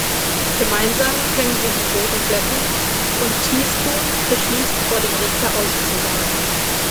Gemeinsam können sie die Wogen glätten und "Tea Spoon" beschließt vor dem Richter auszusagen.